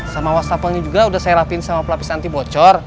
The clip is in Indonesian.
sama wastafelnya juga udah saya lapis sama pelapis nanti bocor